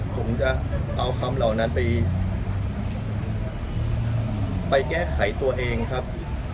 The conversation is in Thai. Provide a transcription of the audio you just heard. ผมจะเอาคำเหล่านั้นไปแก้ไขตัวเองครับ